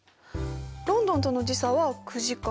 ロンドンとの時差は９時間。